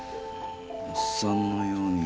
「おっさんのように」。